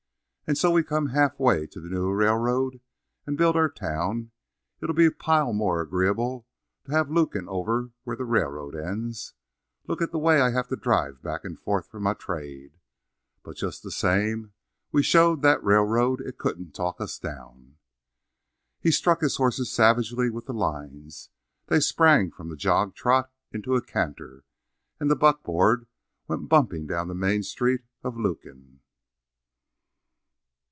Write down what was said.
And so we come halfway to the new railroad and built our town; it'd be a pile more agreeable to have Lukin over where the railroad ends look at the way I have to drive back and forth for my trade? But just the same, we showed that railroad that it couldn't talk us down." He struck his horses savagely with the lines; they sprang from the jog trot into a canter, and the buckboard went bumping down the main street of Lukin.